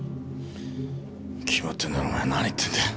決まってんだろお前何言ってんだよ。